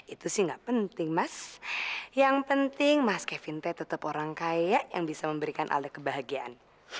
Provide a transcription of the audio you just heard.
itu sih nggak penting mas yang penting mas kevinte tetap orang kaya yang bisa memberikan ada kebahagiaan